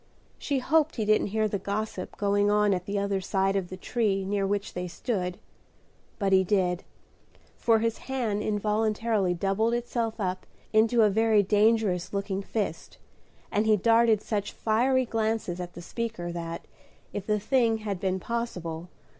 She hoped he didn't hear the gossip going on at the other side of the tree near which they stood; but he did, for his hand involuntarily doubled itself up into a very dangerous looking fist, and he darted such fiery glances at the speaker, that, if the thing had been possible.